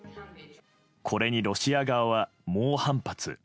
これにロシア側は猛反発。